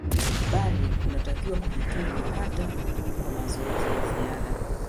bali unatakiwa kujituma hata kwa mazoezi ya ziada